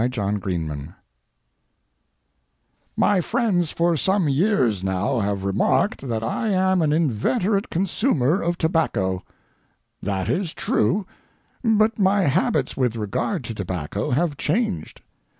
CIGARS AND TOBACCO My friends for some years now have remarked that I am an inveterate consumer of tobacco. That is true, but my habits with regard to tobacco have changed.